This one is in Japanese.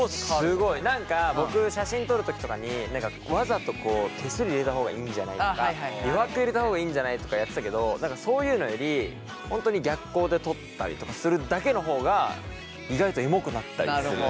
何か僕写真撮る時とかに何かわざと手すり入れた方がいいんじゃないとか余白入れた方がいいんじゃないとかやってたけど何かそういうのより本当に逆光で撮ったりとかするだけの方が意外とエモくなったりするね。